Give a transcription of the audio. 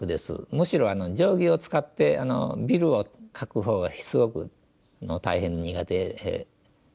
むしろ定規を使ってビルを描くほうがすごく大変苦手ですね。